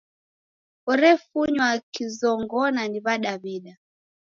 Orefunywa kizongona ni W'adaw'ida.